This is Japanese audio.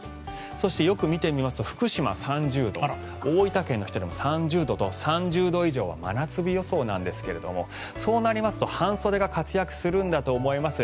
そして、よく見てみますと福島、３０度大分県の日田でも３０度と３０度以上は真夏日予想なんですけれどもそうなりますと半袖が活躍するんだと思います。